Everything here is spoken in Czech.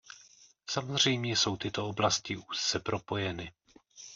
Samozřejmě jsou tyto oblasti úzce propojeny.